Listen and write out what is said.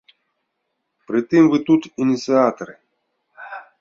Прытым вы тут ініцыятары.